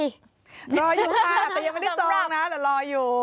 รออยู่ค่ะแต่ยังไม่ได้จองนะแต่รออยู่